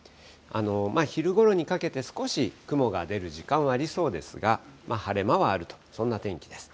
昼ごろにかけて少し雲が出る時間はありそうですが、晴れ間はあると、そんな天気です。